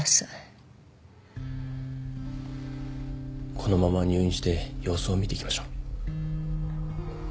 このまま入院して様子を見ていきましょう。